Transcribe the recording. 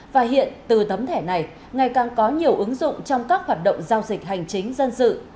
và hiện từ tấm thẻ này ngày càng có nhiều ứng dụng trong các hoạt động giao dịch hành chính dân sự